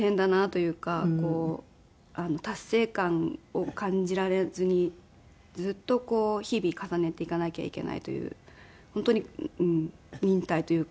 こう達成感を感じられずにずっとこう日々重ねていかなきゃいけないという本当に忍耐というか根気。